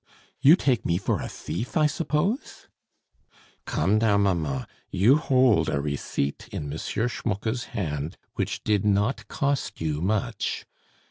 "You take me for a thief, I suppose?" "Come, now, mamma, you hold a receipt in M. Schmucke's hand which did not cost you much.